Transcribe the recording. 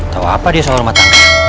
tau apa dia soal rumah tangga